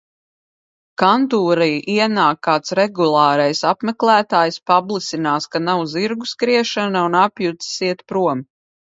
Kantorī ienāk kāds regulārais apmeklētājs, pablisinās, ka nav zirgu skriešana un apjucis iet prom.